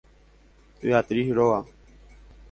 Beatriz róga.